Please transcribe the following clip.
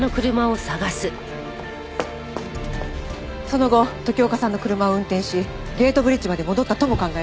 その後時岡さんの車を運転しゲートブリッジまで戻ったとも考えられます。